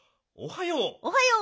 おはよう。